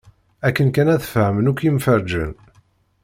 Akken kan ad fehmen akk yimferǧen.